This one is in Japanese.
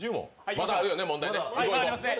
まだあるよね、問題ね。